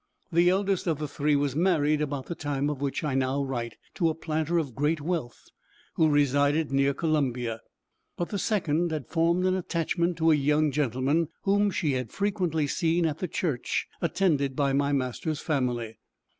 The eldest of the three was married about the time of which I now write, to a planter of great wealth, who resided near Columbia; but the second had formed an attachment to a young gentleman whom she had frequently seen at the church attended by my master's family.